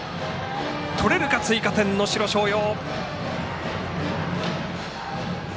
取れるか追加点、能代松陽。